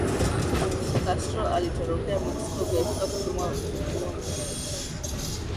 Castro alitorokea Mexico kuepuka kutuwa nguvuni